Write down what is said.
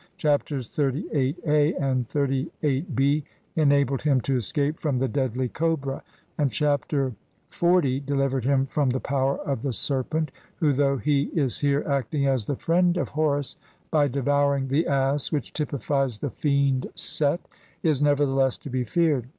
Chapters XXXVIII a and XXXVIIIb en abled him to escape from the deadly cobra, and Chapter XL delivered him from the power of the serpent who, though he is here acting as the friend CLXXVJ INTRODUCTION. of Horus by devouring the Ass which typifies the fiend Set, is, nevertheless, to be feared.